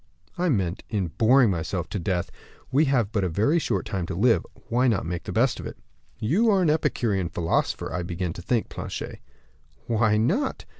"I mean in boring myself to death. We have but a very short time to live why not make the best of it?" "You are an Epicurean philosopher, I begin to think, Planchet." "Why not?